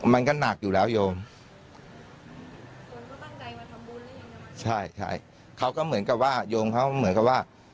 มันก็หนักอยู่แล้วยงใช่ใช่เขาก็เหมือนกับว่าโยงเขาเหมือนกับว่า